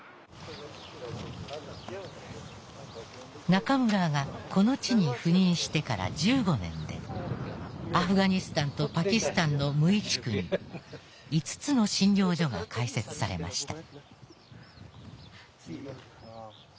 中村が、この地に赴任してから１５年でアフガニスタンとパキスタンの無医地区に５つの診療所が開設されました。